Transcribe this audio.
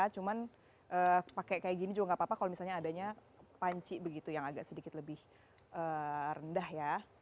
cuman pakai kayak gini juga nggak apa apa kalau misalnya adanya panci begitu yang agak sedikit lebih rendah ya